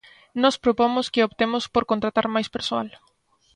Nós propomos que optemos por contratar máis persoal.